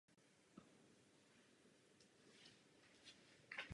Vzniklo tak nemálo společných vystoupení a nahrávek.